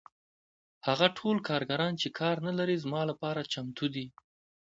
هغه ټول کارګران چې کار نلري زما لپاره چمتو دي